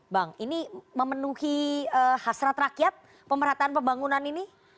bang ini memenuhi hasrat rakyat pemerataan pembangunan ini